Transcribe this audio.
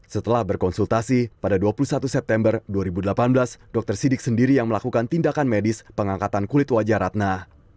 setelah berkonsultasi pada dua puluh satu september dua ribu delapan belas dokter sidik sendiri yang melakukan tindakan medis pengangkatan kulit wajah ratna